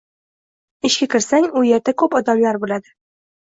Ishga kirsang, u yerda koʻp odamlar boʻladi.